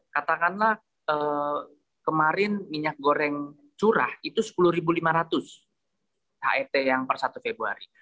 katakanlah kemarin minyak goreng curah itu sepuluh lima ratus het yang per satu februari